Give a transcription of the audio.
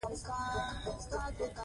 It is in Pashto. تاسو د دې وطن د پوزې پېزوان یاست.